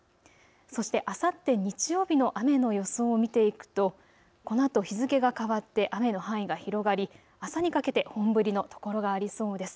そしてあさって日曜日の雨の予想を見ていくとこのあと日付が変わって雨の範囲が広がり朝にかけて本降りの所がありそうです。